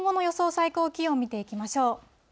最高気温、見ていきましょう。